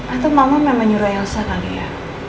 atau mama memang nyuruh elsa kali ya